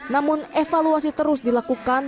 namun evaluasi terus dilakukan